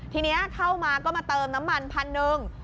ทีนี้เข้ามาก็มาเติมน้ำมันพันหนึ่ง